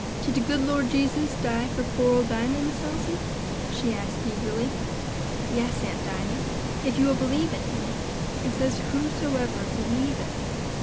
"Did de good Lord Jesus die for poor ole Dinah, Miss Elsie?" she asked eagerly. "Yes, Aunt Dinah, if you will believe in him; it says for whosoever believeth."